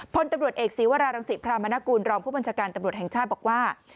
พลตำรวจเอกศีวรารังศิพรามนกุลรองผู้บัญชาการตำรวจแห่งชาติบอกว่า